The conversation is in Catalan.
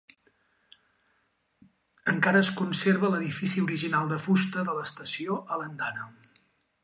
Encara es conserva l'edifici original de fusta de l'estació a l'andana.